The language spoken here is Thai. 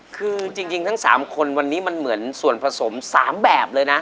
คือจริงทั้ง๓คนวันนี้มันเหมือนส่วนผสม๓แบบเลยนะ